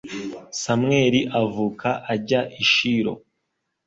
samweli avuka ajya i shilo